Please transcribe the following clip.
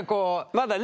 まだね。